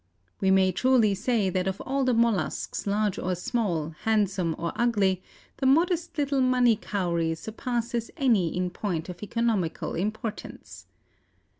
We may truly say that of all the mollusks, large or small, handsome or ugly, the modest little money cowry surpasses any in point of economical importance.